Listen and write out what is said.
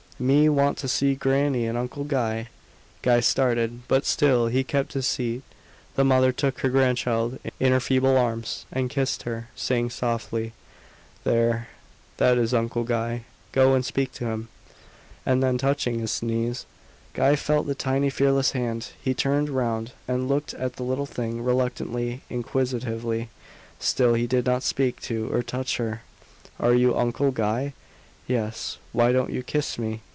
"Me want to see Grannie and Uncle Guy." Guy started, but still he kept his seat. The mother took her grandchild in her feeble arms, and kissed her, saying softly, "There that is Uncle Guy. Go and speak to him." And then, touching his knees, Guy felt the tiny, fearless hand. He turned round, and looked at the little thing, reluctantly, inquisitively. Still he did not speak to or touch her. "Are you Uncle Guy?" "Yes." "Why don't you kiss me?